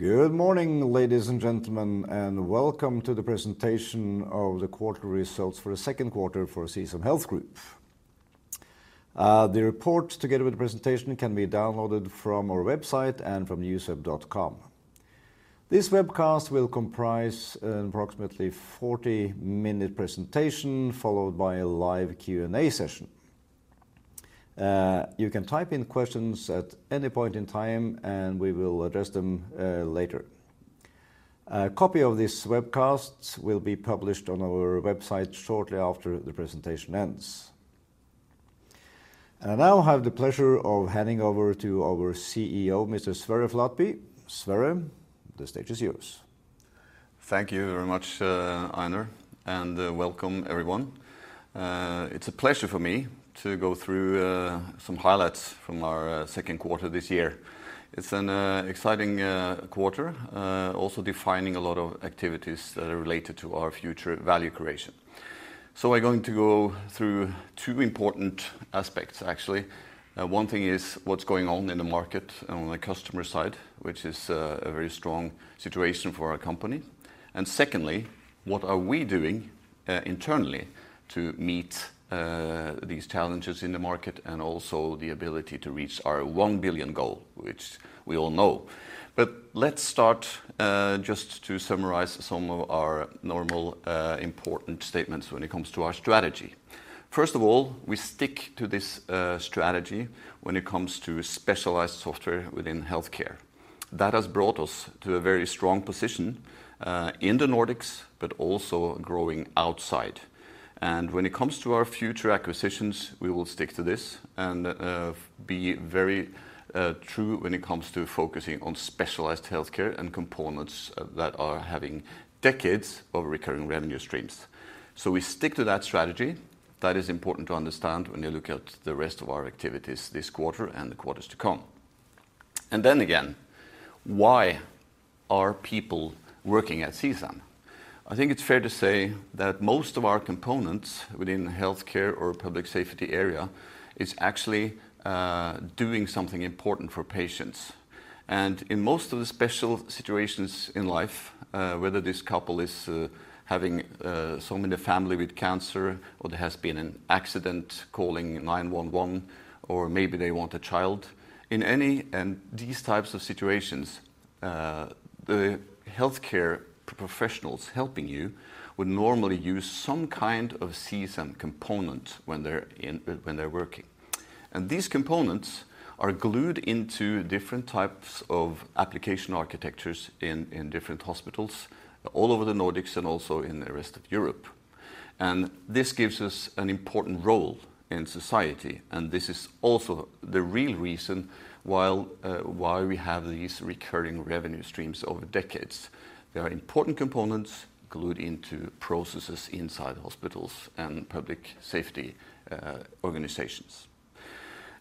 Good morning, ladies and gentlemen, and welcome to the presentation of the quarter results for the Q2 for Omda. The report together with the presentation can be downloaded from our website and from newsweb.no. This webcast will comprise an approximately 40-minute presentation followed by a live Q&A session. You can type in questions at any point in time, and we will address them later. A copy of this webcast will be published on our website shortly after the presentation ends. I now have the pleasure of handing over to our Chief Executive Officer, Mr. Sverre Flatby. Sverre, the stage is yours. Thank you very much, Einar, and welcome everyone. It's a pleasure for me to go through some highlights from our Q2 this year. It's an exciting quarter, also defining a lot of activities that are related to our future value creation. We're going to go through two important aspects, actually. One thing is what's going on in the market and on the customer side, which is a very strong situation for our company. Secondly, what are we doing internally to meet these challenges in the market and also the ability to reach our 1 billion goal, which we all know. Let's start just to summarize some of our normal important statements when it comes to our strategy. First of all, we stick to this, strategy when it comes to specialized software within healthcare. That has brought us to a very strong position, in the Nordics, but also growing outside. When it comes to our future acquisitions, we will stick to this and, be very, true when it comes to focusing on specialized healthcare and components that are having decades of recurring revenue streams. We stick to that strategy. That is important to understand when you look at the rest of our activities this quarter and the quarters to come. Again, why are people working at CSAM? I think it's fair to say that most of our components within the healthcare or Public Safety area is actually, doing something important for patients. In most of the special situations in life, whether this couple is having someone in the family with cancer, or there has been an accident calling nine one one, or maybe they want a child, in any and these types of situations, the healthcare professionals helping you would normally use some kind of CSAM component when they're working. These components are glued into different types of application architectures in different hospitals all over the Nordics and also in the rest of Europe. This gives us an important role in society, and this is also the real reason why we have these recurring revenue streams over decades. They are important components glued into processes inside hospitals and Public Safety organizations.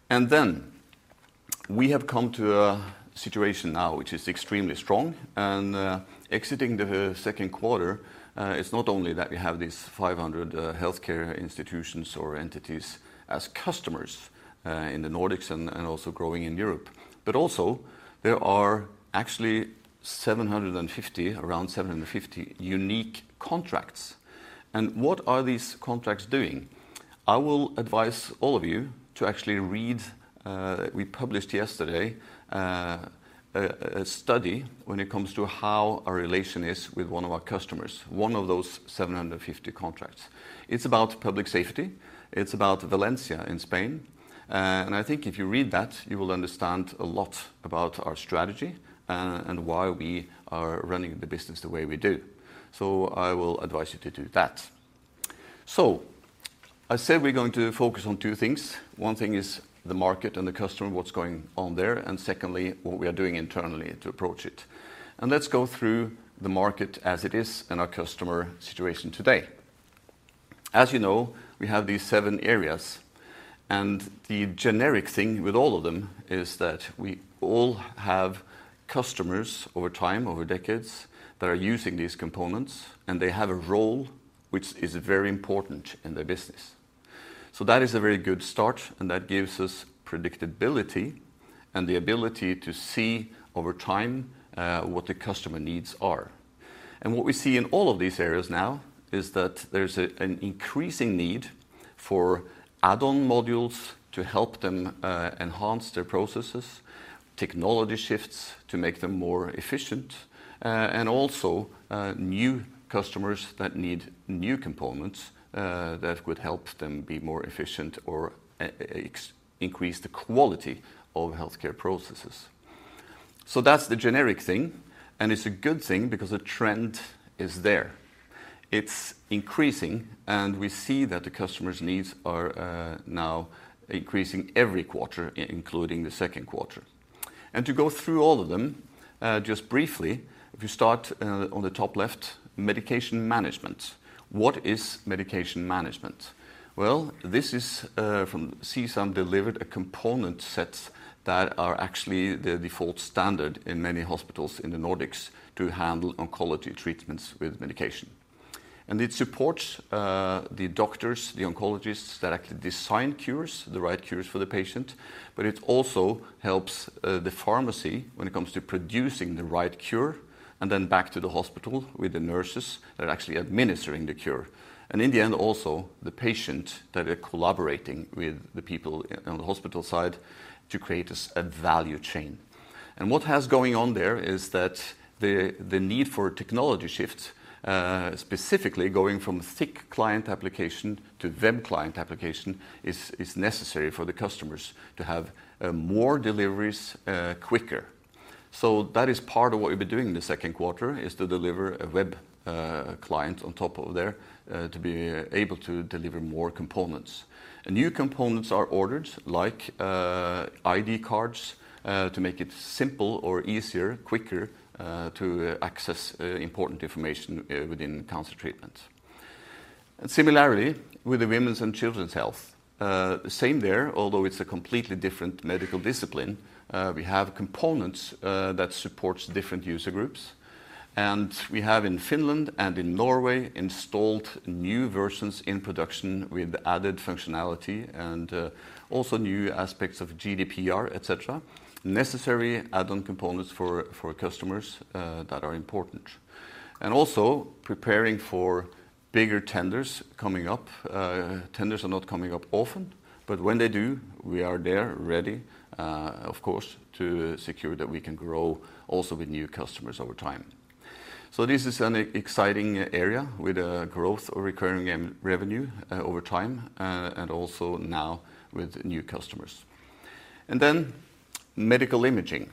Then we have come to a situation now which is extremely strong. Exiting the Q2, it's not only that we have these 500 healthcare institutions or entities as customers in the Nordics and also growing in Europe, but also there are actually 750, around 750 unique contracts. What are these contracts doing? I will advise all of you to actually read, we published yesterday a study when it comes to how our relation is with one of our customers, one of those 750 contracts. It's about Public Safety. It's about Valencia in Spain. I think if you read that, you will understand a lot about our strategy and why we are running the business the way we do. I will advise you to do that. I said we're going to focus on two things. One thing is the market and the customer, what's going on there, and secondly, what we are doing internally to approach it. Let's go through the market as it is and our customer situation today. As you know, we have these seven areas, and the generic thing with all of them is that we all have customers over time, over decades, that are using these components, and they have a role which is very important in their business. That is a very good start, and that gives us predictability and the ability to see over time, what the customer needs are. What we see in all of these areas now is that there's an increasing need for add-on modules to help them enhance their processes, technology shifts to make them more efficient, and also new customers that need new components that would help them be more efficient or increase the quality of healthcare processes. So that's the generic thing, and it's a good thing because the trend is there. It's increasing, and we see that the customer's needs are now increasing every quarter, including the Q2. To go through all of them just briefly, if you start on the top left, Medication Management. What is Medication Management? Well, this is from CSAM delivered a component sets that are actually the default standard in many hospitals in the Nordics to handle oncology treatments with medication. It supports the doctors, the oncologists that actually design cures, the right cures for the patient, but it also helps the pharmacy when it comes to producing the right cure, and then back to the hospital with the nurses that are actually administering the cure. In the end, also the patient that are collaborating with the people on the hospital side to create a value chain. What has going on there is that the need for technology shifts, specifically going from thick client application to web client application is necessary for the customers to have more deliveries quicker. That is part of what we've been doing in the Q2, is to deliver a web client on top of there to be able to deliver more components. New components are ordered like ID cards to make it simple or easier, quicker to access important information within cancer treatment. Similarly, with the Women and Children's Health, same there, although it's a completely different medical discipline, we have components that supports different user groups. We have in Finland and in Norway installed new versions in production with added functionality and also new aspects of GDPR, et cetera, necessary add-on components for customers that are important. Also preparing for bigger tenders coming up. Tenders are not coming up often, but when they do, we are there ready, of course, to secure that we can grow also with new customers over time. This is an exciting area with growth or recurring revenue over time, and also now with new customers. Medical imaging.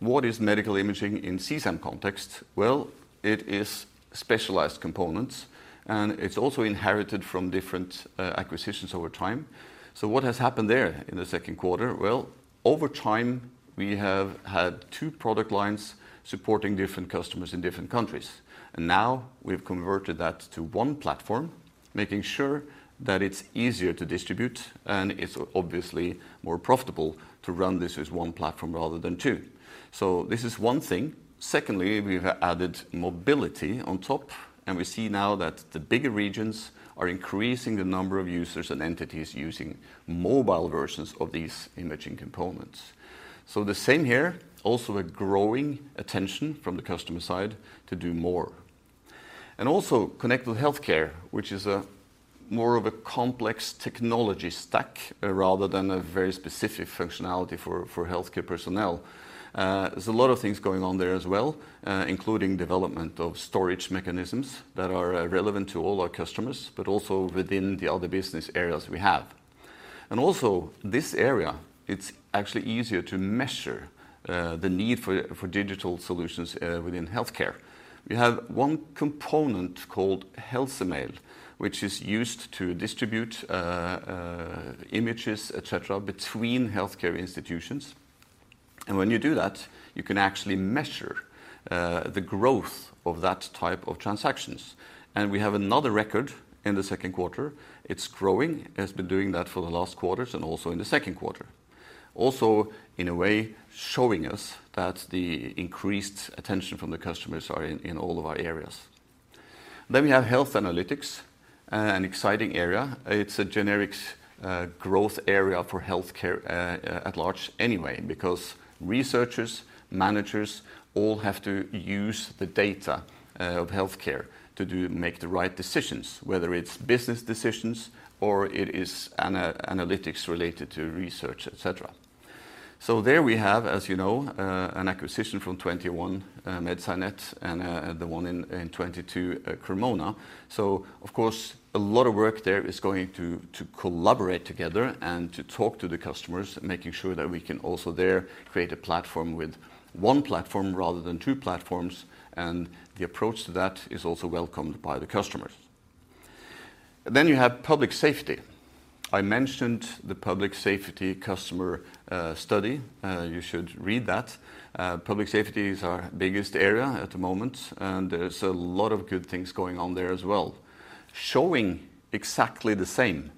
What is medical imaging in CSAM context? Well, it is specialized components, and it's also inherited from different acquisitions over time. What has happened there in the Q2? Well, over time, we have had two product lines supporting different customers in different countries. Now we've converted that to one platform, making sure that it's easier to distribute, and it's obviously more profitable to run this as one platform rather than two. This is one thing. Secondly, we've added mobility on top, and we see now that the bigger regions are increasing the number of users and entities using mobile versions of these imaging components. The same here, also a growing attention from the customer side to do more. Connected Healthcare, which is a more of a complex technology stack rather than a very specific functionality for healthcare personnel. There's a lot of things going on there as well, including development of storage mechanisms that are relevant to all our customers, but also within the other business areas we have. This area, it's actually easier to measure the need for digital solutions within healthcare. We have one component called HelseMail, which is used to distribute images, et cetera, between healthcare institutions. When you do that, you can actually measure the growth of that type of transactions. We have another record in the Q2. It's growing, it has been doing that for the last quarters and also in the Q2. In a way, showing us that the increased attention from the customers are in all of our areas. We have Health Analytics, an exciting area. It's a generic growth area for healthcare at large anyway, because researchers, managers all have to use the data of healthcare to make the right decisions, whether it's business decisions or it is analytics related to research, et cetera. There we have, as you know, an acquisition from 2021, MedSciNet and the one in 2022, Carmona. Of course, a lot of work there is going to collaborate together and to talk to the customers, making sure that we can also there create a platform with one platform rather than two platforms. The approach to that is also welcomed by the customers. You have Public Safety. I mentioned the Public Safety customer study. You should read that. Public Safety is our biggest area at the moment, and there's a lot of good things going on there as well, showing exactly the same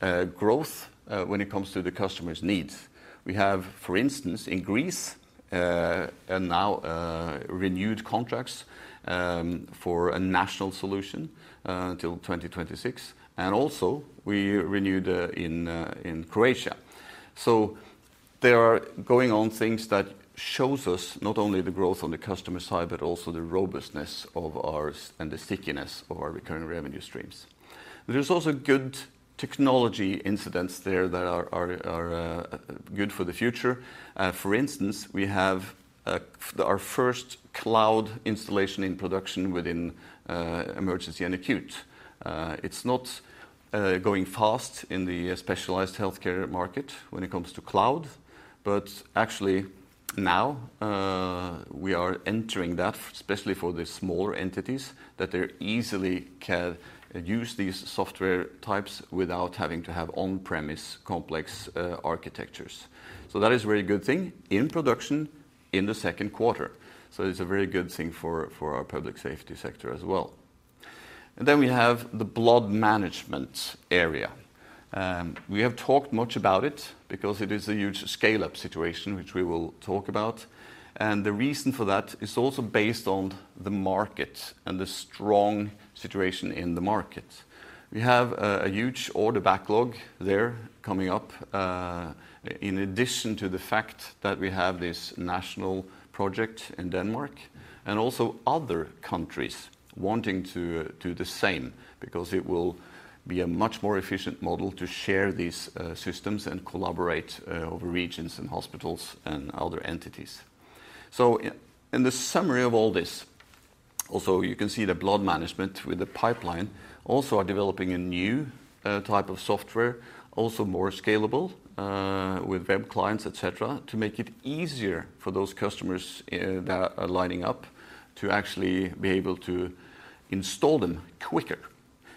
growth when it comes to the customer's needs. We have, for instance, in Greece and now renewed contracts for a national solution till 2026, and also we renewed in Croatia. There are things going on that show us not only the growth on the customer side, but also the robustness of our SaaS and the stickiness of our recurring revenue streams. There's also good technology investments there that are good for the future. For instance, we have our first cloud installation in production within emergency and acute. It's not going fast in the specialized healthcare market when it comes to cloud, but actually now we are entering that, especially for the smaller entities, that they easily can use these software types without having to have on-premise complex architectures. That is a very good thing in production in the Q2. It's a very good thing for our Public Safety sector as well. We have the Blood Management area. We have talked much about it because it is a huge scale-up situation, which we will talk about. The reason for that is also based on the market and the strong situation in the market. We have a huge order backlog there coming up, in addition to the fact that we have this national project in Denmark and also other countries wanting to do the same because it will be a much more efficient model to share these, systems and collaborate, over regions and hospitals and other entities. In the summary of all this, also, you can see the Blood Management with the pipeline also are developing a new type of software, also more scalable, with web clients, et cetera, to make it easier for those customers that are lining up to actually be able to install them quicker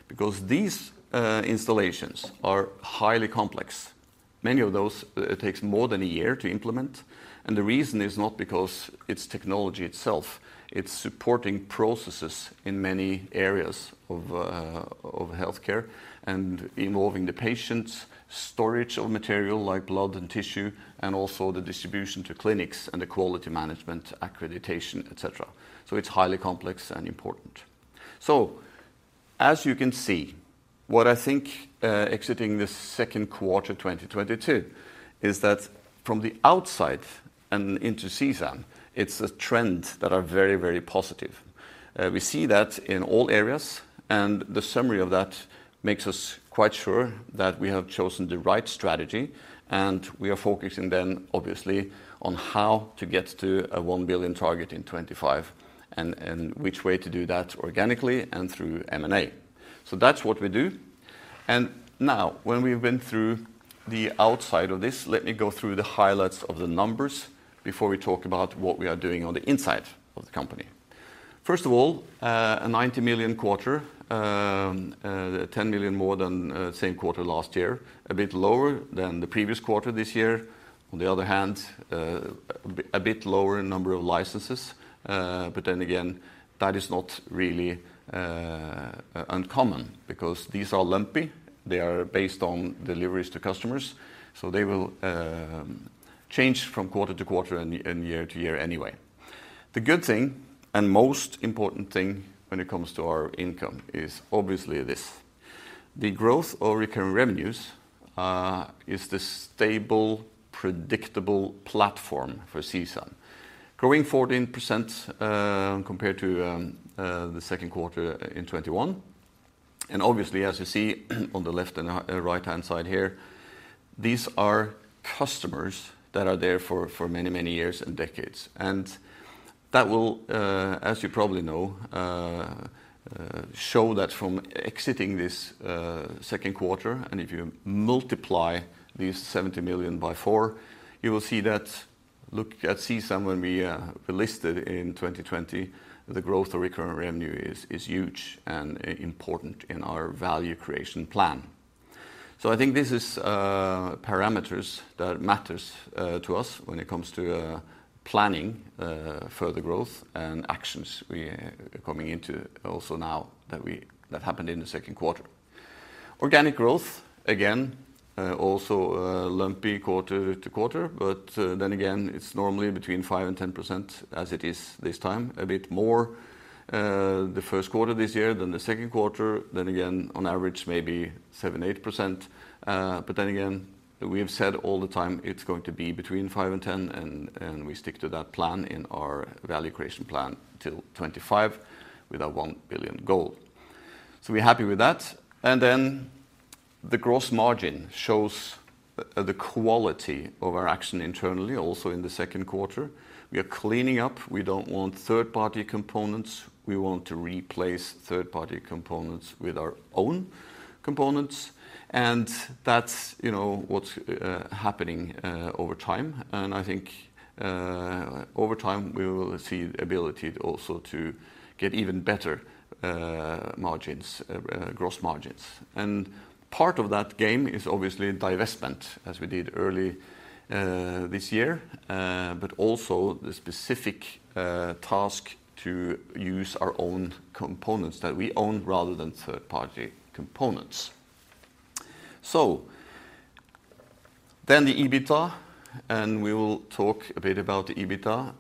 because these installations are highly complex. Many of those takes more than a year to implement, and the reason is not because it's technology itself. It's supporting processes in many areas of healthcare and involving the patients, storage of material like blood and tissue, and also the distribution to clinics and the quality management, accreditation, et cetera. It's highly complex and important. As you can see, what I think, exiting this Q2, 2022, is that from the outside and into CSAM, it's a trend that are very, very positive. We see that in all areas, and the summary of that makes us quite sure that we have chosen the right strategy, and we are focusing then obviously on how to get to a 1 billion target in 2025 and which way to do that organically and through M&A. That's what we do. Now when we went through the outside of this, let me go through the highlights of the numbers before we talk about what we are doing on the inside of the company. First of all, a 90 million quarter, 10 million more than same quarter last year, a bit lower than the previous quarter this year. On the other hand, a bit lower in number of licenses. But then again, that is not really uncommon because these are lumpy. They are based on deliveries to customers, so they will change from quarter to quarter and year to year anyway. The good thing, and most important thing when it comes to our income, is obviously this. The growth of recurring revenues is the stable, predictable platform for CSAM, growing 14%, compared to the Q2 in 2021. Obviously, as you see on the left and right-hand side here, these are customers that are there for many years and decades. That will, as you probably know, show that from exiting this Q2, and if you multiply these 70 million by four, you will see that, look at CSAM when we listed in 2020, the growth of recurring revenue is huge and important in our value creation plan. I think this is parameters that matters to us when it comes to planning further growth and actions we are coming into also now that happened in the Q2. Organic growth, again, also, lumpy quarter to quarter, but then again, it's normally between 5% and 10% as it is this time, a bit more the Q1 this year than the Q2. Then again, on average, maybe 7%-8%. We have said all the time it's going to be between 5% and 10%, and we stick to that plan in our value creation plan till 2025 with our 1 billion goal. We're happy with that. The gross margin shows the quality of our action internally, also in the Q2. We are cleaning up. We don't want third-party components. We want to replace third-party components with our own components. That's, you know, what's happening over time. I think over time, we will see ability also to get even better gross margins. Part of that game is obviously divestment as we did early this year, but also the specific task to use our own components that we own rather than third-party components. The EBITDA, and we will talk a bit about the EBITDA,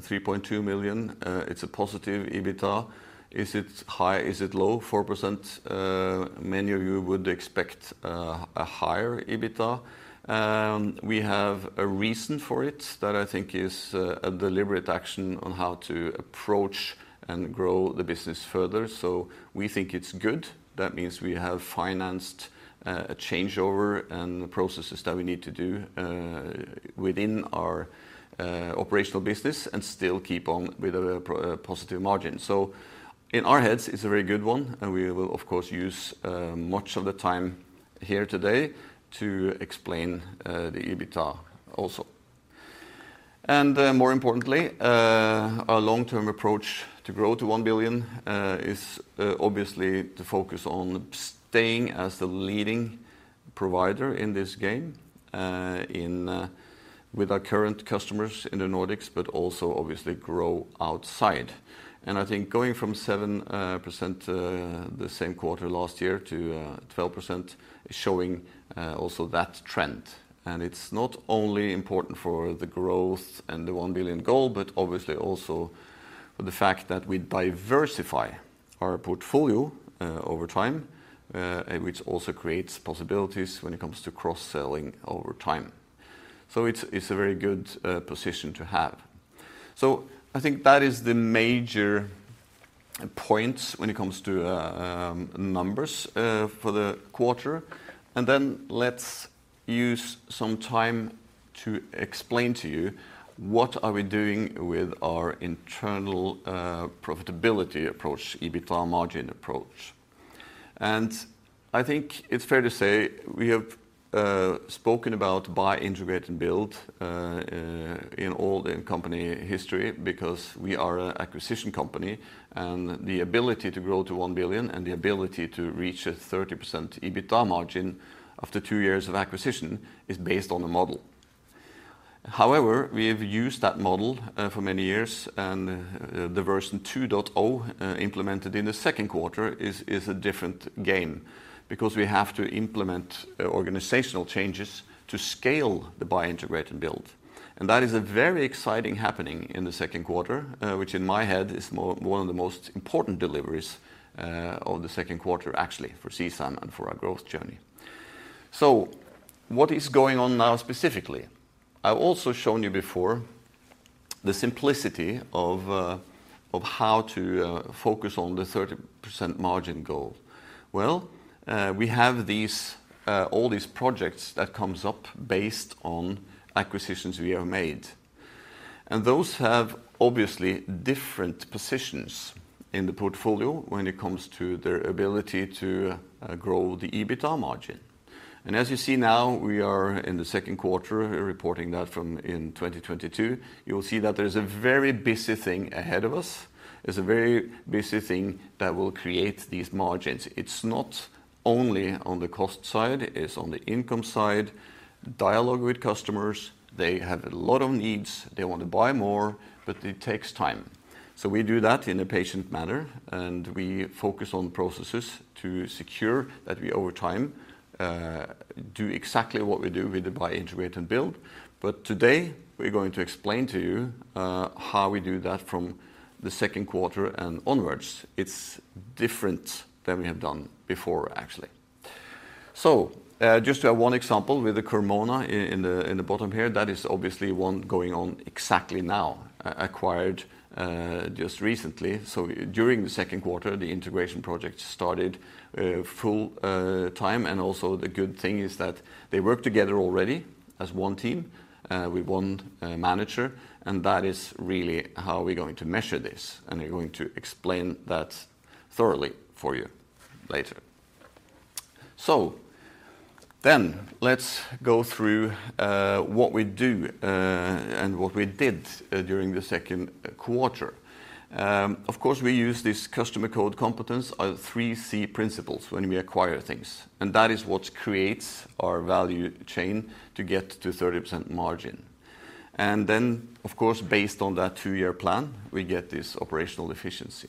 3.2 million. It's a positive EBITDA. Is it high? Is it low? 4%. Many of you would expect a higher EBITDA. We have a reason for it that I think is a deliberate action on how to approach and grow the business further. We think it's good. That means we have financed a changeover and the processes that we need to do within our operational business and still keep on with a positive margin. In our heads, it's a very good one, and we will of course use much of the time here today to explain the EBITDA also. More importantly, our long-term approach to grow to 1 billion is obviously the focus on staying as the leading provider in this game in with our current customers in the Nordics, but also obviously grow outside. I think going from 7% the same quarter last year to 12% is showing also that trend. It's not only important for the growth and the 1 billion goal, but obviously also for the fact that we diversify our portfolio over time and which also creates possibilities when it comes to cross-selling over time. It's a very good position to have. I think that is the major points when it comes to numbers for the quarter. Let's use some time to explain to you what are we doing with our internal profitability approach, EBITDA margin approach. I think it's fair to say we have spoken about buy, integrate, and build in all the company history because we are a acquisition company, and the ability to grow to 1 billion and the ability to reach a 30% EBITDA margin after two years of acquisition is based on the model. However, we have used that model for many years, and the version 2.0 implemented in the Q2 is a different game because we have to implement organizational changes to scale the buy, integrate, and build. That is a very exciting happening in the Q2, which in my head is one of the most important deliveries of the Q2 actually for CSAM and for our growth journey. What is going on now specifically? I've also shown you before the simplicity of how to focus on the 30% margin goal. We have these all these projects that comes up based on acquisitions we have made. Those have obviously different positions in the portfolio when it comes to their ability to grow the EBITDA margin. As you see now, we are in the Q2 reporting that from in 2022, you'll see that there's a very busy thing ahead of us that will create these margins. It's not only on the cost side, it's on the income side, dialogue with customers. They have a lot of needs. They want to buy more, but it takes time. We do that in a patient manner, and we focus on processes to secure that we over time, do exactly what we do with the buy, integrate, and build. Today, we're going to explain to you, how we do that from the Q2 and onwards. It's different than we have done before, actually. Just to have one example with the Carmona in the bottom here, that is obviously one going on exactly now, acquired just recently. During the Q2, the integration project started, full time. And also the good thing is that they work together already as one team, with one manager. That is really how we're going to measure this. We're going to explain that thoroughly for you later. Let's go through what we do and what we did during the Q2. Of course, we use this customer, core, competence, our three C principles, when we acquire things, and that is what creates our value chain to get to 30% margin. Of course, based on that two-year plan, we get this operational efficiency.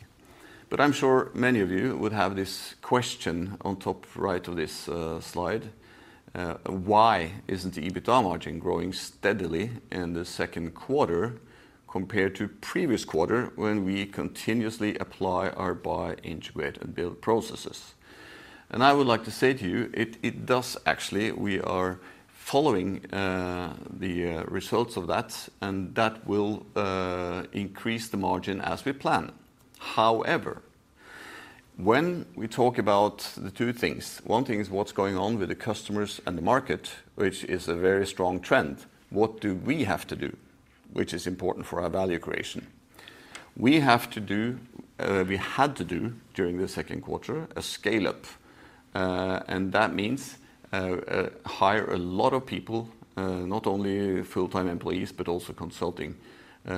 I'm sure many of you would have this question on top right of this slide. Why isn't the EBITDA margin growing steadily in the Q2 compared to previous quarter when we continuously apply our buy, integrate, and build processes? I would like to say to you, it does actually. We are following the results of that, and that will increase the margin as we plan. However, when we talk about the two things, one thing is what's going on with the customers and the market, which is a very strong trend. What do we have to do, which is important for our value creation? We had to do during the Q2 a scale-up, and that means hire a lot of people, not only full-time employees, but also consulting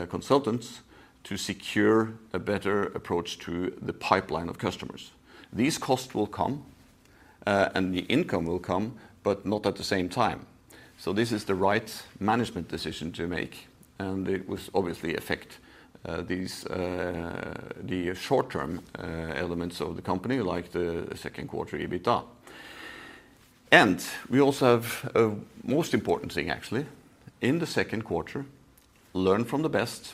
consultants to secure a better approach to the pipeline of customers. These costs will come, and the income will come, but not at the same time. This is the right management decision to make, and it will obviously affect the short-term elements of the company, like the Q2 EBITDA. We also have a most important thing actually. In the Q2, we learned from the best.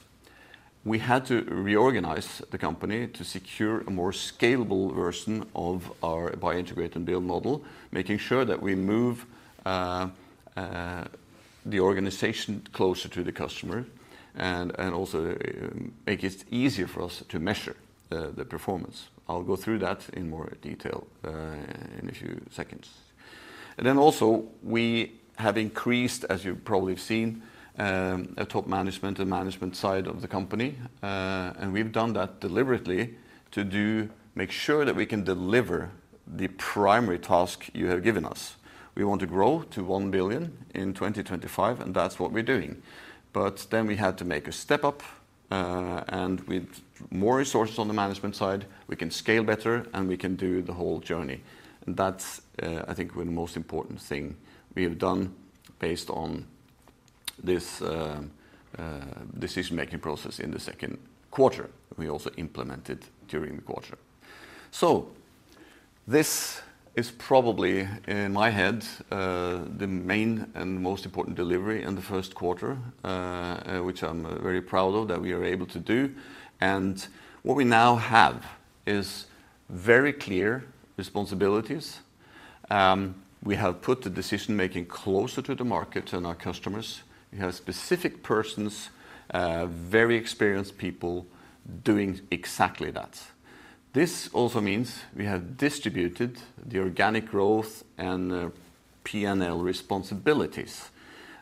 We had to reorganize the company to secure a more scalable version of our buy, integrate, and build model, making sure that we move the organization closer to the customer and also make it easier for us to measure the performance. I'll go through that in more detail in a few seconds. We have increased, as you've probably seen, a top management and management side of the company, and we've done that deliberately to make sure that we can deliver the primary task you have given us. We want to grow to 1 billion in 2025, and that's what we're doing. We had to make a step up. With more resources on the management side, we can scale better, and we can do the whole journey. That's, I think, one of the most important thing we have done based on this, decision-making process in the Q2. We also implemented during the quarter. This is probably, in my head, the main and most important delivery in the Q1, which I'm very proud of that we are able to do. What we now have is very clear responsibilities. We have put the decision-making closer to the market and our customers. We have specific persons, very experienced people doing exactly that. This also means we have distributed the organic growth and P&L responsibilities.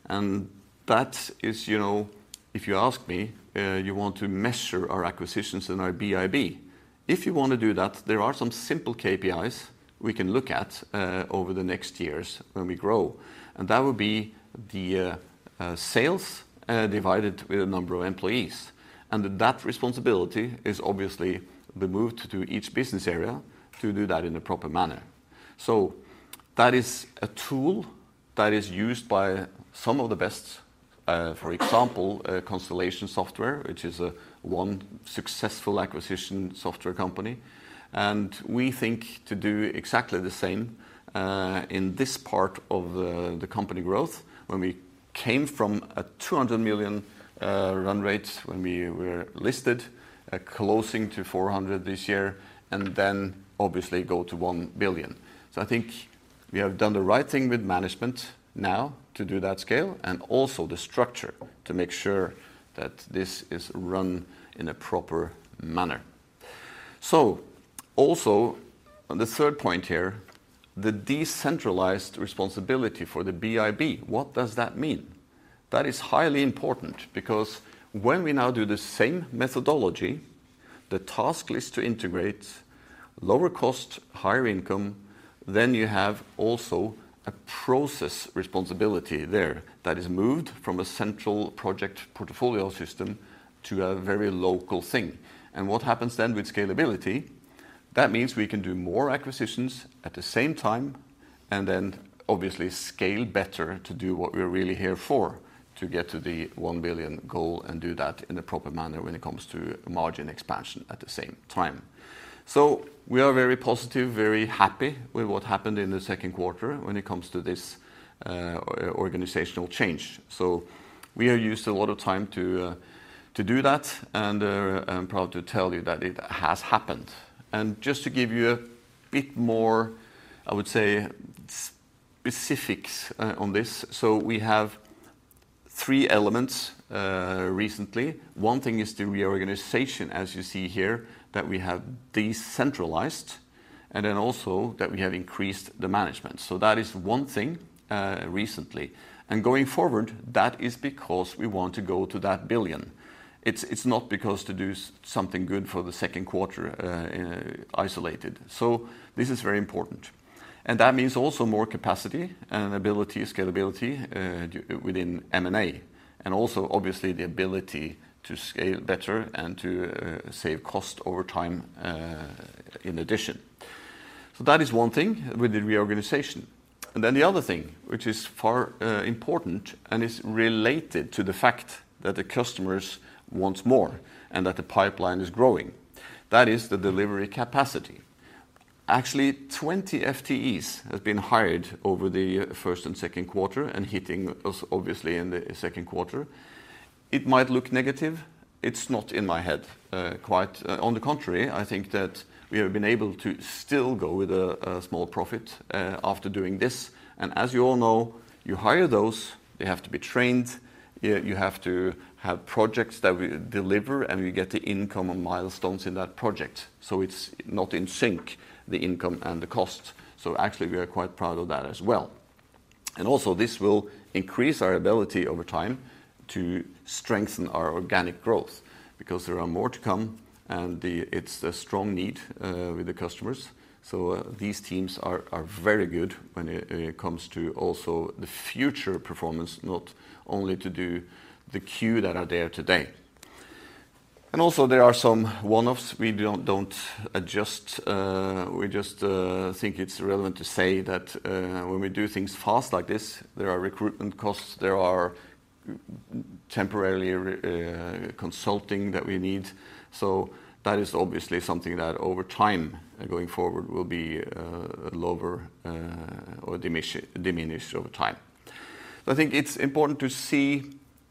That is, you know, if you ask me, you want to measure our acquisitions and our BIB. If you wanna do that, there are some simple KPIs we can look at over the next years when we grow. That would be the sales divided with the number of employees. That responsibility is obviously the move to each business area to do that in a proper manner. That is a tool that is used by some of the best, for example, Constellation Software, which is one successful acquisition software company. We think to do exactly the same in this part of the company growth when we came from a 200 million run rate when we were listed at closing to 400 million this year, and then obviously go to 1 billion. I think we have done the right thing with management now to do that scale and also the structure to make sure that this is run in a proper manner. Also, on the third point here, the decentralized responsibility for the BIB, what does that mean? That is highly important because when we now do the same methodology, the task list to integrate lower cost, higher income, then you have also a process responsibility there that is moved from a central project portfolio system to a very local thing. What happens then with scalability, that means we can do more acquisitions at the same time and then obviously scale better to do what we're really here for, to get to the 1 billion goal and do that in a proper manner when it comes to margin expansion at the same time. We are very positive, very happy with what happened in the Q2 when it comes to this organizational change. We have used a lot of time to do that, and I'm proud to tell you that it has happened. Just to give you a bit more, I would say, specifics on this. We have three elements recently. One thing is the reorganization, as you see here, that we have decentralized, and then also that we have increased the management. That is one thing recently. Going forward, that is because we want to go to that billion. It's not because to do something good for the Q2 isolated. This is very important. That means also more capacity and ability, scalability, within M&A, and also obviously the ability to scale better and to save cost over time, in addition. That is one thing with the reorganization. Then the other thing, which is far more important and is related to the fact that the customers want more and that the pipeline is growing. That is the delivery capacity. Actually, 20 FTEs have been hired over the first and Q2 and hitting us obviously in the Q2. It might look negative. It's not in my head quite. On the contrary, I think that we have been able to still go with a small profit after doing this. As you all know, you hire those, they have to be trained, you have to have projects that we deliver, and we get the income and milestones in that project. It's not in sync, the income and the cost. Actually, we are quite proud of that as well. This will increase our ability over time to strengthen our organic growth because there are more to come, and it's a strong need with the customers. These teams are very good when it comes to also the future performance, not only to do the queue that are there today. There are some one-offs we don't adjust. We just think it's relevant to say that when we do things fast like this, there are recruitment costs, there are temporary consulting that we need. That is obviously something that over time, going forward, will be lower or diminish over time. I think it's important to see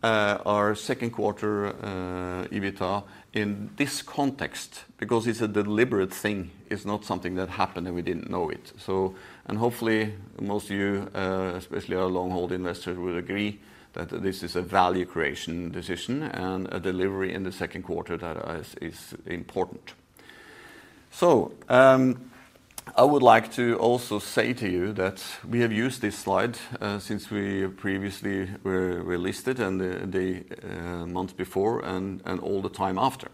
our Q2 EBITDA in this context because it's a deliberate thing. It's not something that happened and we didn't know it. Hopefully, most of you, especially our long-hold investors, will agree that this is a value creation decision and a delivery in the Q2 that is important. I would like to also say to you that we have used this slide since we previously were listed and the month before and all the time after.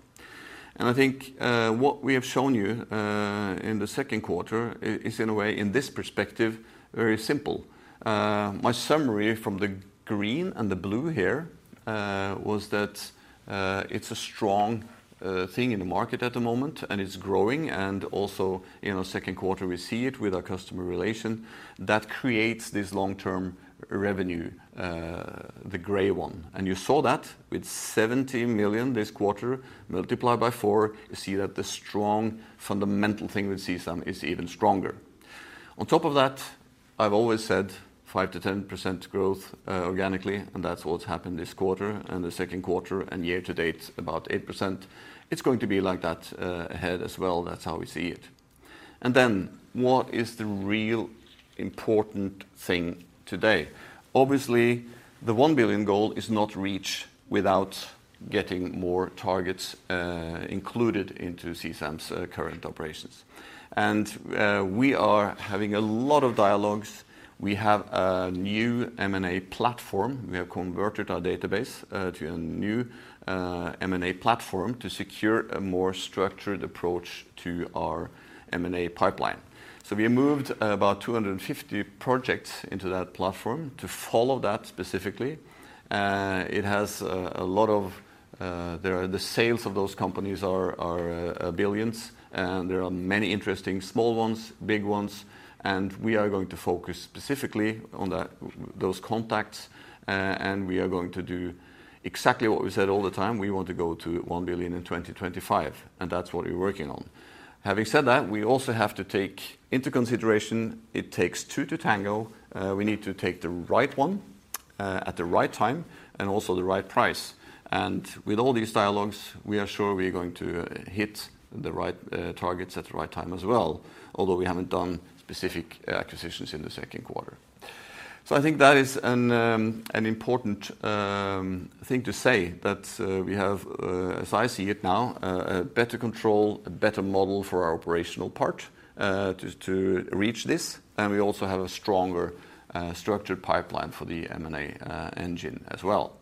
I think what we have shown you in the Q2 is in a way, in this perspective, very simple. My summary from the green and the blue here was that it's a strong thing in the market at the moment, and it's growing and also, you know, Q2 we see it with our customer relation. That creates this long-term revenue, the gray one. You saw that with 70 million this quarter multiplied by four, you see that the strong fundamental thing with CSAM is even stronger. On top of that, I've always said 5%-10% growth organically, and that's what's happened this quarter and the Q2 and year to date, about 8%. It's going to be like that ahead as well. That's how we see it. What is the real important thing today? Obviously, the 1 billion goal is not reached without getting more targets included into CSAM's current operations. We are having a lot of dialogues. We have a new M&A platform. We have converted our database to a new M&A platform to secure a more structured approach to our M&A pipeline. We moved about 250 projects into that platform to follow that specifically. It has a lot of the sales of those companies are billions, and there are many interesting small ones, big ones, and we are going to focus specifically on that, those contacts, and we are going to do exactly what we said all the time. We want to go to 1 billion in 2025, and that's what we're working on. Having said that, we also have to take into consideration it takes two to tango. We need to take the right one at the right time and also the right price. With all these dialogues, we are sure we are going to hit the right targets at the right time as well, although we haven't done specific acquisitions in the Q2. I think that is an important thing to say that we have, as I see it now, a better control, a better model for our operational part to reach this, and we also have a stronger structured pipeline for the M&A engine as well.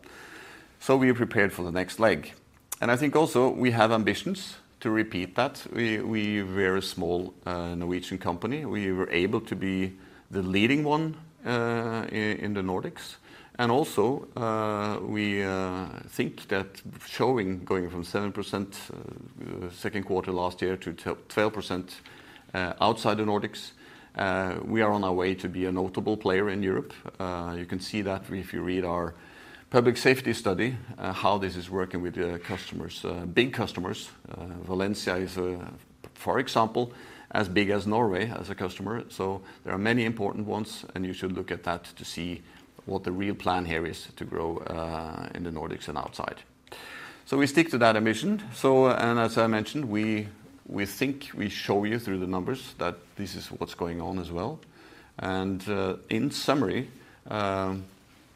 We are prepared for the next leg. I think also we have ambitions to repeat that. We are a very small Norwegian company. We were able to be the leading one in the Nordics. We think that showing going from 7%, Q2 last year to 12%, outside the Nordics, we are on our way to be a notable player in Europe. You can see that if you read our Public Safety study, how this is working with the customers, big customers. Valencia is, for example, as big as Norway as a customer. There are many important ones, and you should look at that to see what the real plan here is to grow in the Nordics and outside. We stick to that ambition. As I mentioned, we think we show you through the numbers that this is what's going on as well. In summary,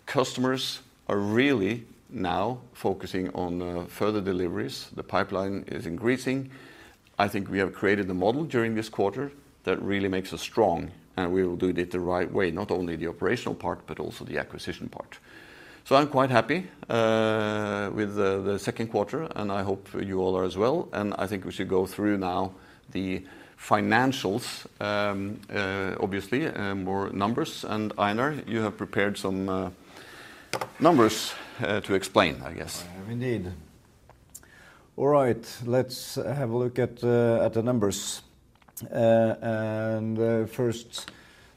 customers are really now focusing on further deliveries. The pipeline is increasing. I think we have created a model during this quarter that really makes us strong, and we will do it the right way, not only the operational part, but also the acquisition part. I'm quite happy with the Q2, and I hope you all are as well. I think we should go through now the financials, obviously, more numbers. Einar, you have prepared some numbers to explain, I guess. I have indeed. All right. Let's have a look at the numbers. First,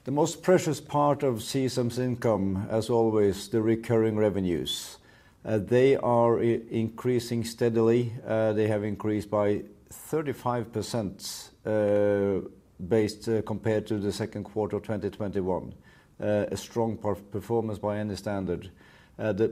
the most precious part of CSAM's income, as always, the recurring revenues. They are increasing steadily. They have increased by 35%, compared to the Q2 of 2021. A strong performance by any standard.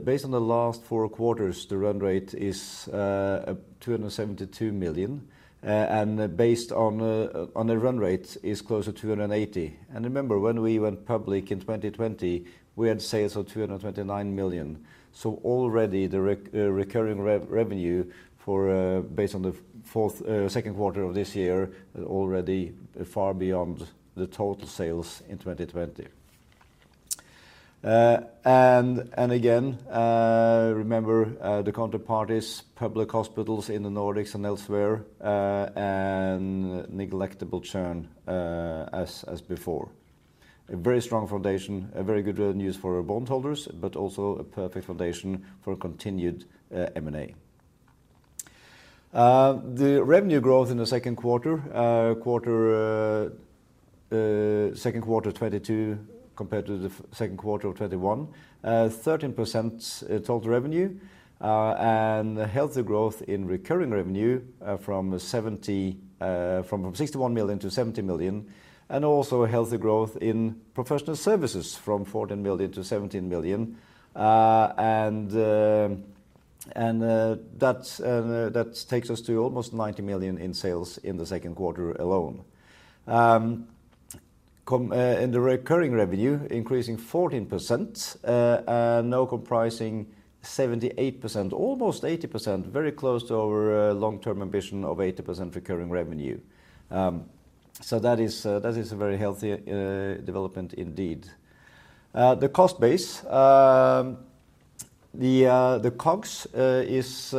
Based on the last four quarters, the run rate is 272 million, and based on the run rate is closer to 280 million. Remember, when we went public in 2020, we had sales of 229 million. Already the recurring revenue for, based on the Q2 of this year already far beyond the total sales in 2020. Remember the counterparties, public hospitals in the Nordics and elsewhere, and negligible churn, as before. A very strong foundation, a very good news for our bondholders, but also a perfect foundation for continued M&A. The revenue growth in the Q2 2022 compared to the Q2 of 2021, 13% total revenue, and a healthy growth in recurring revenue from 61 million to 70 million, and also a healthy growth in professional services from 14 million to 17 million. That takes us to almost 90 million in sales in the Q2 alone. The recurring revenue increasing 14%, now comprising 78%, almost 80%, very close to our long-term ambition of 80% recurring revenue. That is a very healthy development indeed. The cost base, the COGS is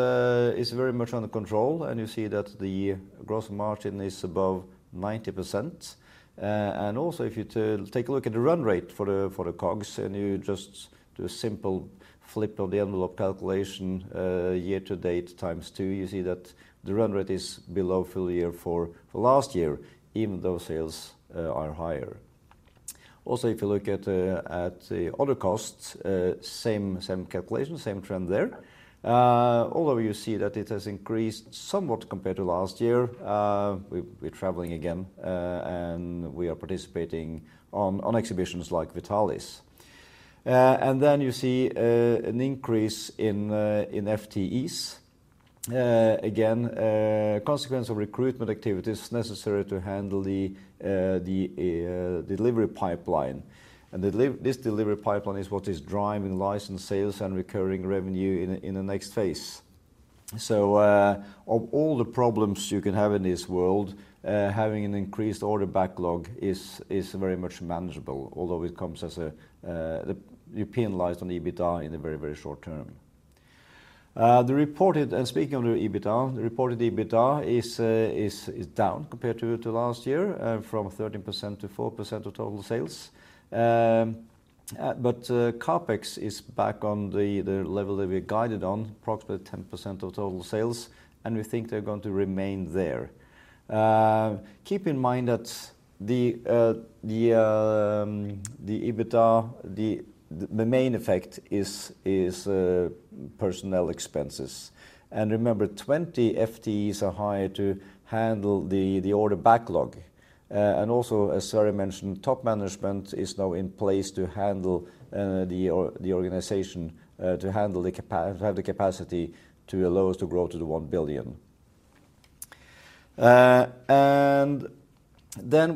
very much under control, and you see that the gross margin is above 90%. Also, if you take a look at the run rate for the COGS and you just do a simple back-of-the-envelope calculation, year-to-date times two, you see that the run rate is below full year for last year even though sales are higher. Also, if you look at the other costs, same calculation, same trend there. Although you see that it has increased somewhat compared to last year, we're traveling again and we are participating in exhibitions like Vitalis. Then you see an increase in FTEs. Again, consequence of recruitment activities necessary to handle the delivery pipeline. This delivery pipeline is what is driving license sales and recurring revenue in the next phase. Of all the problems you can have in this world, having an increased order backlog is very much manageable, although it comes as a. It penalizes the EBITDA in the very short term. Speaking of the EBITDA, the reported EBITDA is down compared to last year, from 13%-4% of total sales. CapEx is back on the level that we guided on, approximately 10% of total sales, and we think they're going to remain there. Keep in mind that the EBITDA, the main effect is personnel expenses. Remember, 20 FTEs are hired to handle the order backlog. As Sverre mentioned, top management is now in place to handle the organization to have the capacity to allow us to grow to the NOK 1 billion.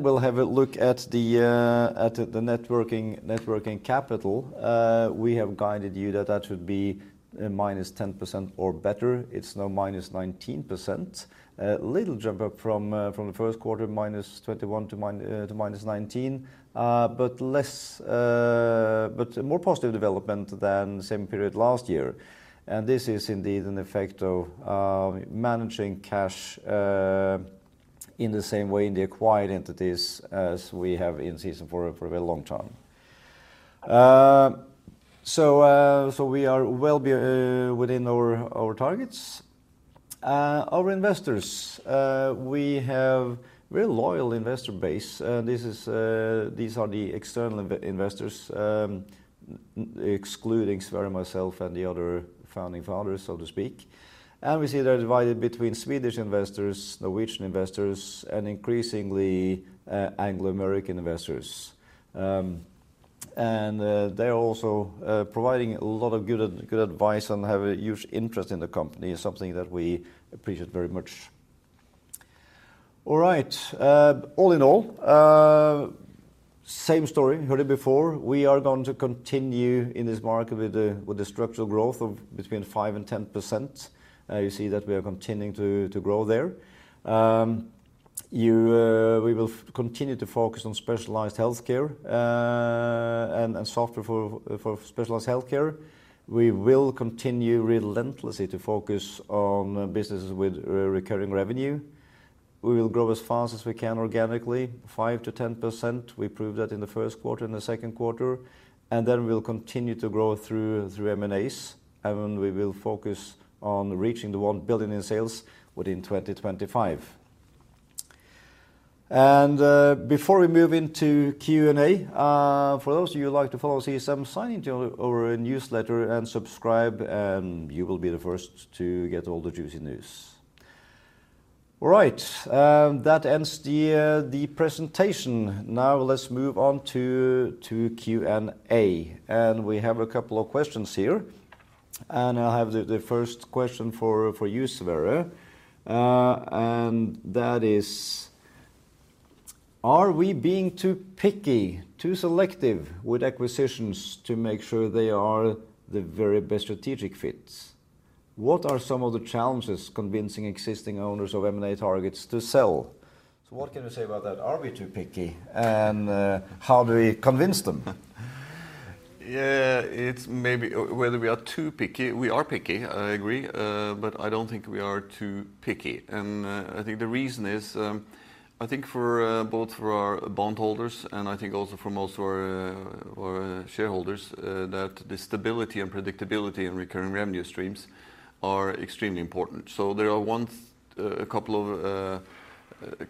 We'll have a look at the net working capital. We have guided you that that should be -10% or better. It's now -19%. Little jump up from the Q1, -21% to -19%, but more positive development than same period last year. This is indeed an effect of managing cash in the same way in the acquired entities as we have in CSAM for a very long time. We are well within our targets. We have very loyal investor base. This is, these are the external investors, excluding Sverre, myself, and the other founding fathers, so to speak. We see they're divided between Swedish investors, Norwegian investors, and increasingly, Anglo-American investors. They're also providing a lot of good advice and have a huge interest in the company, something that we appreciate very much. All right. All in all, same story. Heard it before. We are going to continue in this market with the structural growth of between 5% and 10%. You see that we are continuing to grow there. We will continue to focus on specialized healthcare and software for specialized healthcare. We will continue relentlessly to focus on businesses with recurring revenue. We will grow as fast as we can organically, 5%-10%. We proved that in the Q1 and the Q2. Then we'll continue to grow through M&As, and we will focus on reaching 1 billion in sales within 2025. Before we move into Q&A, for those of you who like to follow CSAM, sign in to our newsletter and subscribe, and you will be the first to get all the juicy news. All right. That ends the presentation. Now let's move on to Q&A. We have a couple of questions here. I have the first question for you, Sverre. That is, "Are we being too picky, too selective with acquisitions to make sure they are the very best strategic fits? What are some of the challenges convincing existing owners of M&A targets to sell?" So what can you say about that? Are we too picky? How do we convince them? It's maybe whether we are too picky. We are picky, I agree. I don't think we are too picky. I think the reason is, I think for both our bondholders and I think also for most of our shareholders, that the stability and predictability and recurring revenue streams are extremely important. There are a couple of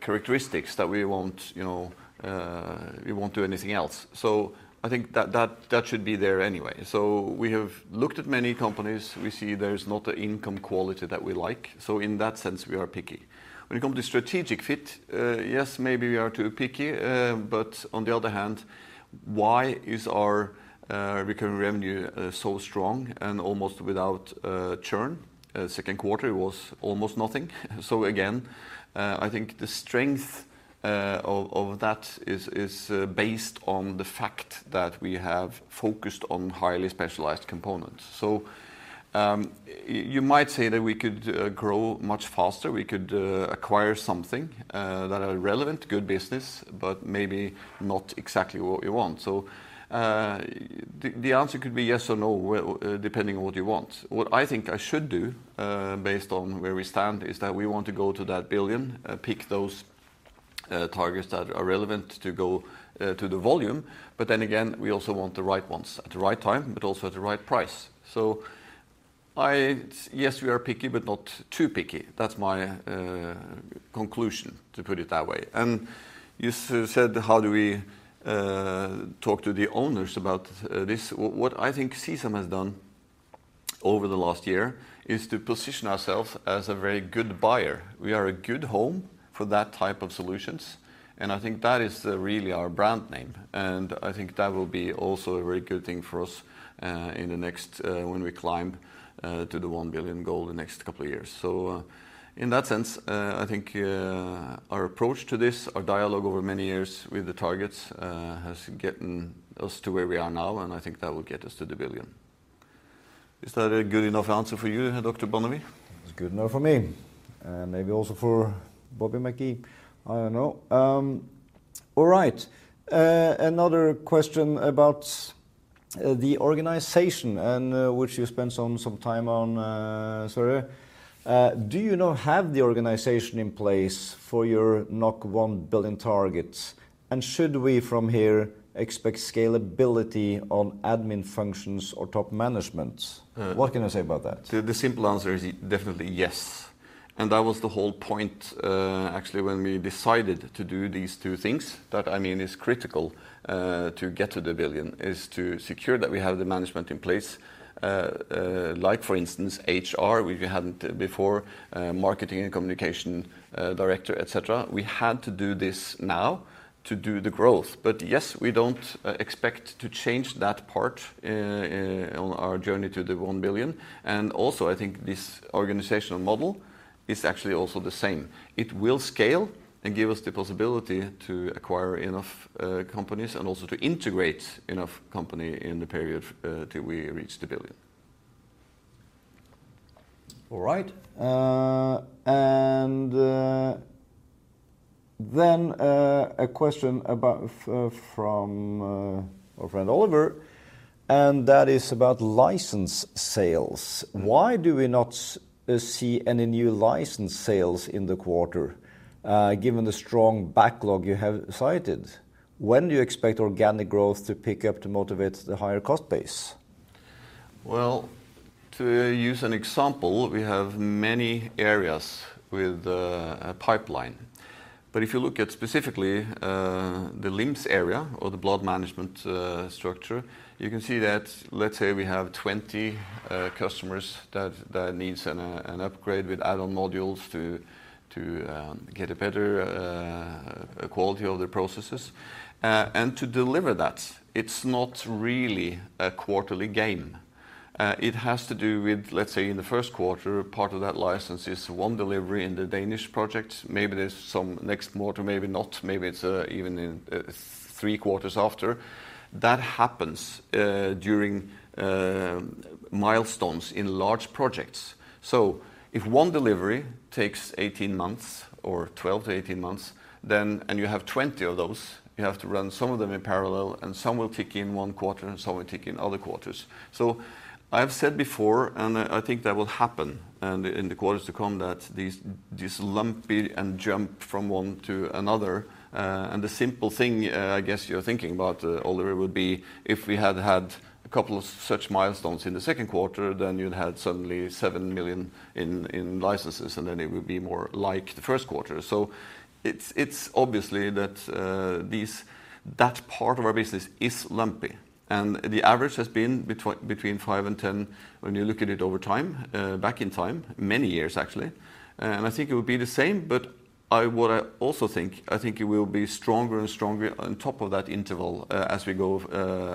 characteristics that we want, you know, we won't do anything else. I think that should be there anyway. We have looked at many companies. We see there's not an income quality that we like. In that sense, we are picky. When it comes to strategic fit, yes, maybe we are too picky. On the other hand, why is our recurring revenue so strong and almost without churn? Q2 it was almost nothing. Again, I think the strength of that is based on the fact that we have focused on highly specialized components. You might say that we could grow much faster. We could acquire something that are relevant, good business, but maybe not exactly what we want. The answer could be yes or no, well, depending on what you want. What I think I should do, based on where we stand, is that we want to go to 1 billion, pick those targets that are relevant to go to the volume, but then again, we also want the right ones at the right time, but also at the right price. Yes, we are picky, but not too picky. That's my conclusion, to put it that way. You said how do we talk to the owners about this. What I think CSAM has done over the last year is to position ourselves as a very good buyer. We are a good home for that type of solutions, and I think that is really our brand name, and I think that will be also a very good thing for us in the next when we climb to the 1 billion goal the next couple of years. In that sense, I think our approach to this, our dialogue over many years with the targets has gotten us to where we are now, and I think that will get us to the 1 billion. Is that a good enough answer for you, Dr. Bonnevie? It's good enough for me, and maybe also for Bobby Mackey. I don't know. All right. Another question about the organization and which you spent some time on, Sverre. Do you now have the organization in place for your 1 billion targets? Should we from here expect scalability on admin functions or top management? Uh- What can you say about that? The simple answer is definitely yes, and that was the whole point, actually, when we decided to do these two things. That, I mean, is critical to get to the 1 billion, is to secure that we have the management in place, like for instance, HR, we hadn't before, marketing and communication director, et cetera. We had to do this now to do the growth. Yes, we don't expect to change that part in our journey to the 1 billion. Also, I think this organizational model is actually also the same. It will scale and give us the possibility to acquire enough companies and also to integrate enough companies in the period till we reach the 1 billion. All right. A question about from our friend Oliver, and that is about license sales. Why do we not see any new license sales in the quarter, given the strong backlog you have cited? When do you expect organic growth to pick up to motivate the higher cost base? Well, to use an example, we have many areas with a pipeline. If you look at specifically the LIMS area or the Blood Management structure, you can see that let's say we have 20 customers that needs an upgrade with add-on modules to get a better quality of their processes. To deliver that, it's not really a quarterly game. It has to do with, let's say, in the Q1, part of that license is one delivery in the Danish project. Maybe there's some next quarter, maybe not, maybe it's even in three quarters after. That happens during milestones in large projects. If one delivery takes 18 months or 12-18 months, then you have 20 of those, you have to run some of them in parallel, and some will kick in one quarter and some will kick in other quarters. I've said before, and I think that will happen in the quarters to come, that these lumpy and jump from one to another. The simple thing, I guess you're thinking about, Oliver, would be if we had had a couple of such milestones in the Q2, then you'd had suddenly 7 million in licenses, and then it would be more like the Q1. It's obviously that these that part of our business is lumpy. The average has been between 5% and 10% when you look at it over time, back in time, many years, actually. I think it would be the same, but what I also think, I think it will be stronger and stronger on top of that interval, as we go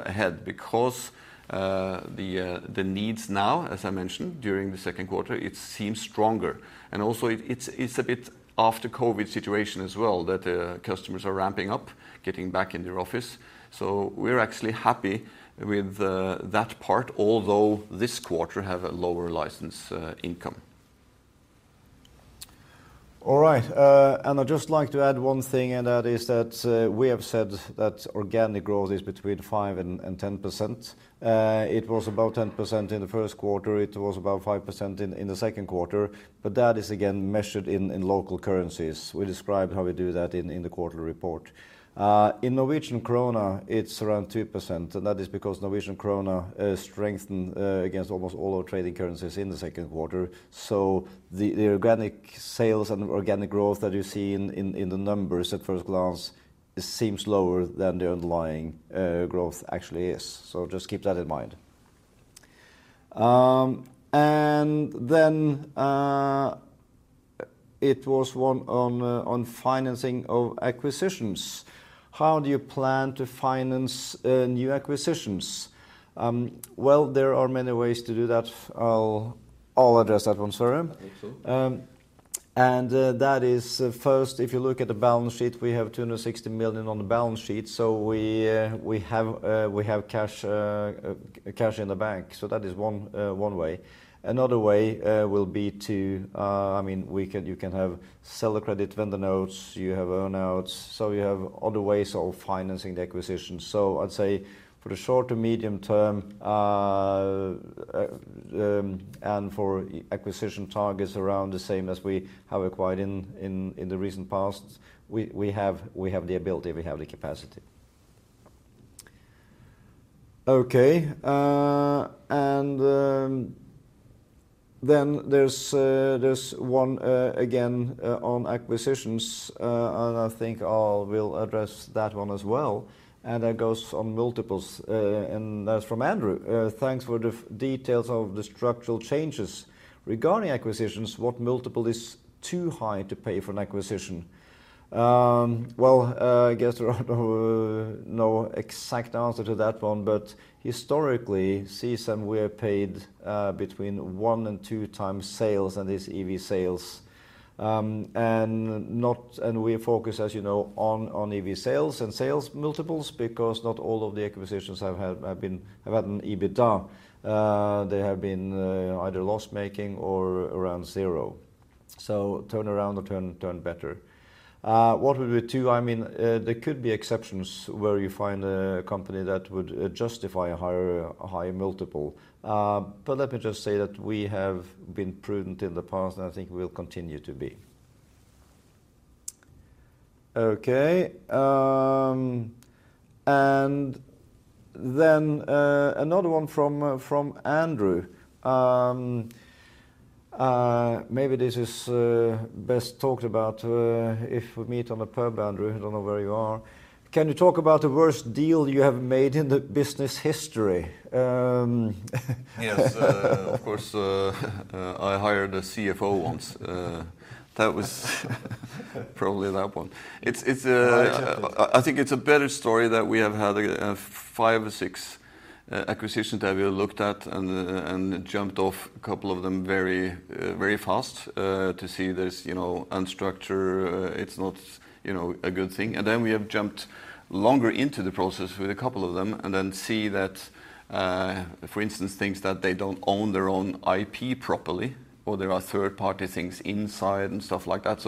ahead because, the needs now, as I mentioned during the Q2, it seems stronger. Also it's a bit after COVID situation as well that, customers are ramping up, getting back in their office. We're actually happy with, that part, although this quarter have a lower license, income. All right, I'd just like to add one thing, and that is that we have said that organic growth is between 5 and 10%. It was about 10% in the Q1. It was about 5% in the Q2. That is again measured in local currencies. We describe how we do that in the quarterly report. In Norwegian krone, it's around 2%, and that is because Norwegian krone strengthened against almost all our trading currencies in the Q2. The organic sales and organic growth that you see in the numbers at first glance, it seems lower than the underlying growth actually is. Just keep that in mind. It was one on financing of acquisitions. How do you plan to finance new acquisitions? Well, there are many ways to do that. I'll address that one. Sorry. I think so. That is, first, if you look at the balance sheet, we have 260 million on the balance sheet, so we have cash in the bank. That is one way. Another way will be to, I mean, you can have seller credit vendor notes, you have earn-outs. You have other ways of financing the acquisition. I'd say for the short to medium term and for acquisition targets around the same as we have acquired in the recent past, we have the ability, we have the capacity. Then there's one again on acquisitions, and I think I'll address that one as well, and that goes on multiples, and that's from Andrew. Thanks for the details of the structural changes. Regarding acquisitions, what multiple is too high to pay for an acquisition? Well, I guess there are no exact answer to that one, but historically, CSAM were paid between 1x and 2x sales and EV/Sales, and we focus, as you know, on EV/Sales and sales multiples because not all of the acquisitions have had an EBITDA. They have been either loss-making or around zero. Turn around or turn better. I mean, there could be exceptions where you find a company that would justify a higher multiple, but let me just say that we have been prudent in the past and I think we will continue to be. Okay. Another one from Andrew. Maybe this is best talked about if we meet in a pub, Andrew. I don't know where you are. Can you talk about the worst deal you have made in the business history? Yes. Of course, I hired a Chief Financial Officer once. That was probably that one. It's I- I think it's a better story that we have had five or six acquisitions that we have looked at and jumped off a couple of them very fast to see this, you know, unstructured. It's not, you know, a good thing. We have jumped longer into the process with a couple of them and then see that, for instance, things that they don't own their own IP properly or there are third-party things inside and stuff like that.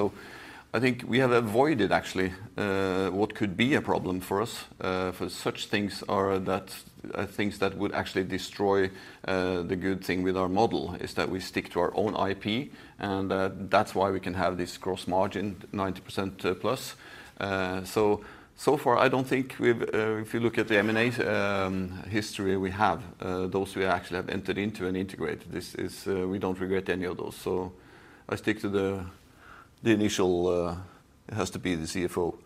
I think we have avoided actually what could be a problem for us, for such things are that things that would actually destroy the good thing with our model, is that we stick to our own IP, and that's why we can have this gross margin 90% plus. So far, if you look at the M&A history we have, those we actually have entered into and integrated, we don't regret any of those. I stick to the initial. It has to be the Chief Financial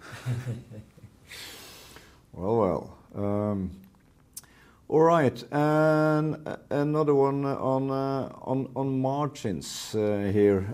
Officer. All right. Another one on margins here.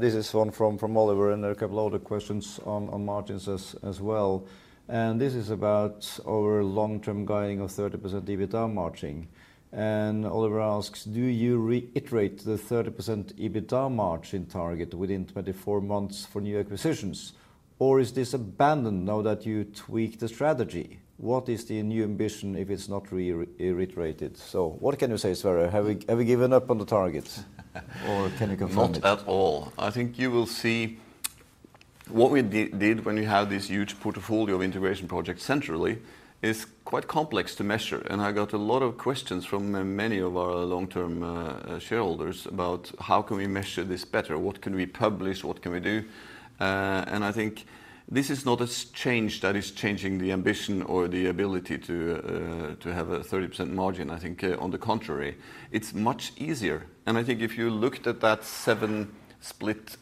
This is one from Oliver, and there are a couple other questions on margins as well, and this is about our long-term guidance of 30% EBITDA margin. Oliver asks, "Do you reiterate the 30% EBITDA margin target within 24 months for new acquisitions, or is this abandoned now that you tweaked the strategy? What is the new ambition if it's not reiterated?" What can you say, Sverre? Have we given up on the targets or can you confirm it? Not at all. I think you will see what we did when we had this huge portfolio of integration projects centrally is quite complex to measure, and I got a lot of questions from many of our long-term shareholders about how can we measure this better? What can we publish? What can we do? I think this is not a change that is changing the ambition or the ability to have a 30% margin. I think on the contrary, it's much easier. I think if you looked at that seven split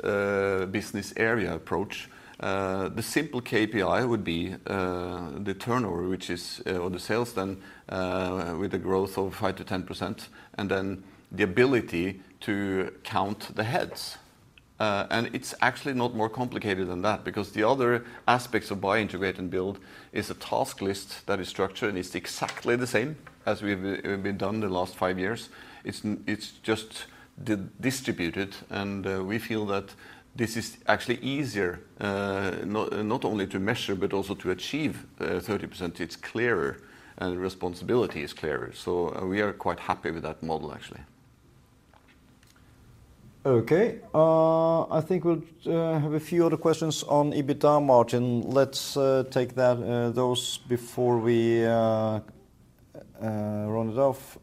business area approach, the simple KPI would be the turnover, which is, or the sales then, with the growth of 5%-10%, and then the ability to count the heads. It's actually not more complicated than that because the other aspects of buy, integrate, and build is a task list that is structured and is exactly the same as we've done the last five years. It's just distributed, and we feel that this is actually easier, not only to measure but also to achieve 30%. It's clearer and responsibility is clearer. We are quite happy with that model actually. Okay. I think we'll have a few other questions on EBITDA margin. Let's take those before we round it off.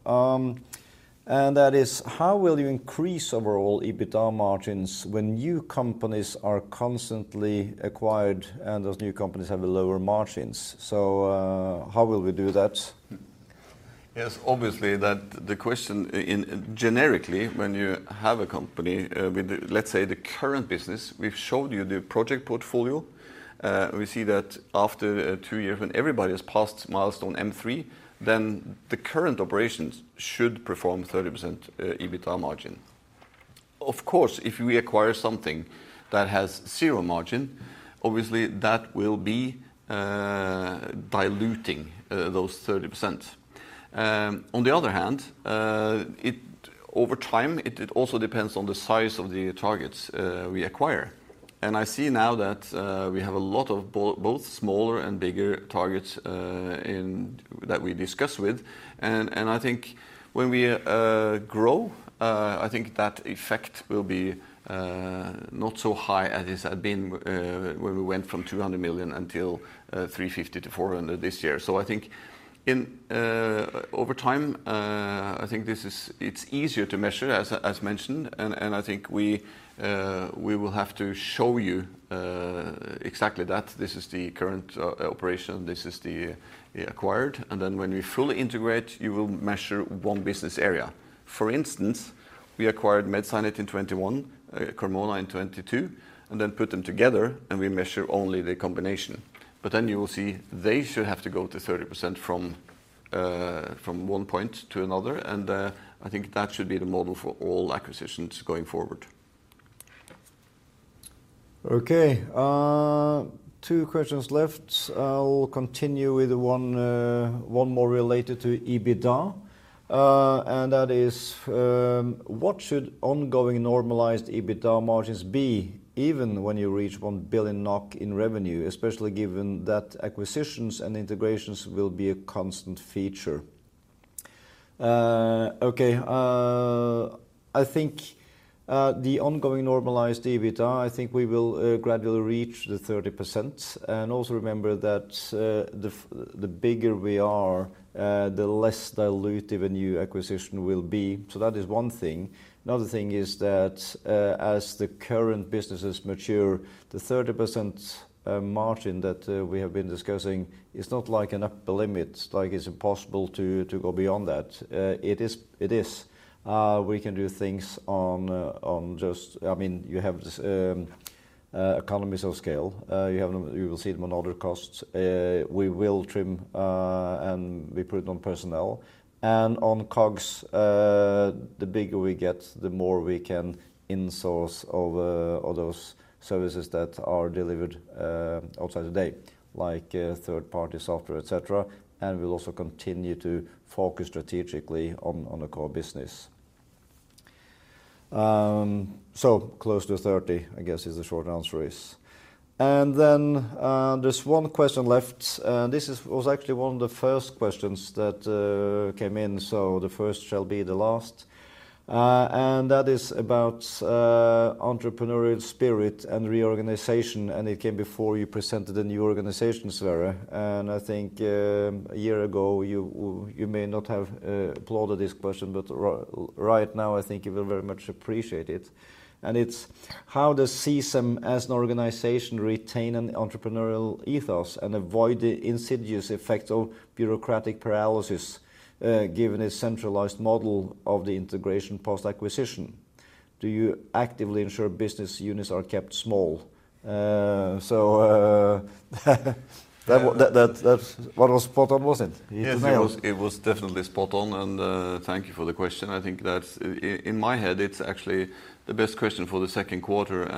That is, how will you increase overall EBITDA margins when new companies are constantly acquired and those new companies have lower margins? How will we do that? Yes. Obviously, generically, when you have a company with let's say the current business, we've showed you the project portfolio. We see that after two years when everybody has passed milestone M3, then the current operations should perform 30% EBITDA margin. Of course, if we acquire something that has 0% margin, obviously that will be diluting those 30%. On the other hand, over time, it also depends on the size of the targets we acquire. I see now that we have a lot of both smaller and bigger targets that we discuss with. I think when we grow, I think that effect will be not so high as it had been, when we went from 200 million to 350-400 this year. I think over time, I think this is easier to measure, as mentioned. I think we will have to show you exactly that. This is the current operation, this is the acquired. When you fully integrate, you will measure one business area. For instance, we acquired MedSciNet in 2021, Carmona in 2022, and then put them together, and we measure only the combination. Then you will see they should have to go to 30% from one point to another. I think that should be the model for all acquisitions going forward. Okay. Two questions left. I will continue with one more related to EBITDA, and that is: What should ongoing normalized EBITDA margins be, even when you reach 1 billion NOK in revenue, especially given that acquisitions and integrations will be a constant feature? Okay. I think the ongoing normalized EBITDA. I think we will gradually reach the 30%. Also remember that the bigger we are, the less dilutive a new acquisition will be. That is one thing. Another thing is that as the current businesses mature, the 30% margin that we have been discussing is not like an upper limit, like it's impossible to go beyond that. It is. We can do things on just. I mean, you have this economies of scale. You will see them on other costs. We will trim and put it on personnel. On COGS, the bigger we get, the more we can in-source of those services that are outsourced, like third-party software, et cetera. We'll also continue to focus strategically on the core business. Close to 30%, I guess, is the short answer. There's one question left. This was actually one of the first questions that came in, so the first shall be the last. That is about entrepreneurial spirit and reorganization, and it came before you presented the new organization, Sverre. I think a year ago, you may not have applauded this question, but right now, I think you will very much appreciate it. It's. How does CSAM as an organization retain an entrepreneurial ethos and avoid the insidious effect of bureaucratic paralysis, given a centralized model of the integration post-acquisition? Do you actively ensure business units are kept small? What was spot on, was it? You tell. Yes, it was definitely spot on, and thank you for the question. I think that's. In my head, it's actually the best question for the Q2,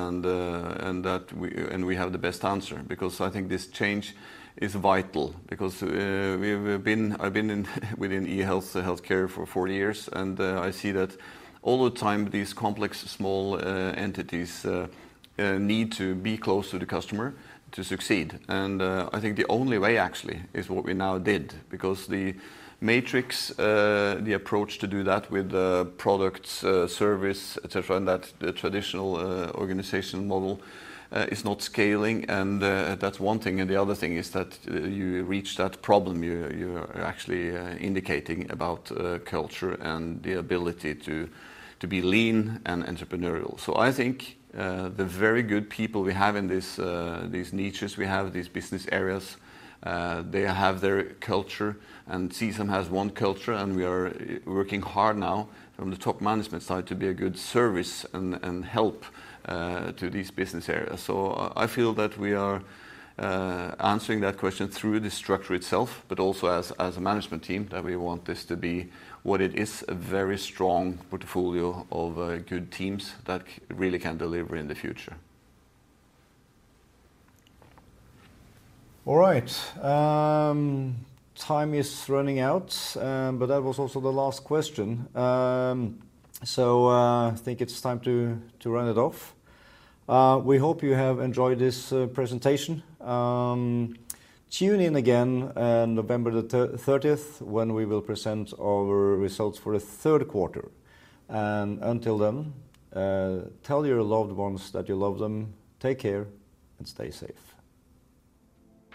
and we have the best answer because I think this change is vital because I've been within eHealth, healthcare for four years, and I see that all the time these complex small entities need to be close to the customer to succeed. I think the only way actually is what we now did because the matrix, the approach to do that with the products, service, et cetera, and that the traditional organizational model is not scaling, and that's one thing. The other thing is that you raise that problem you're actually indicating about, culture and the ability to be lean and entrepreneurial. I think the very good people we have in this, these niches we have, these business areas, they have their culture, and CSAM has one culture, and we are working hard now from the top management side to be a good service and help to these business areas. I feel that we are answering that question through the structure itself, but also as a management team, that we want this to be what it is, a very strong portfolio of good teams that really can deliver in the future. All right. Time is running out, but that was also the last question. I think it's time to round it off. We hope you have enjoyed this presentation. Tune in again on November 30th, when we will present our results for the Q3. Until then, tell your loved ones that you love them, take care, and stay safe.